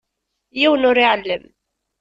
Yiwen ur iεellem.